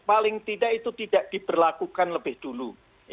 paling tidak itu tidak diberlakukan lebih dulu